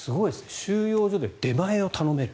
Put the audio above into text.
収容所で出前を頼める。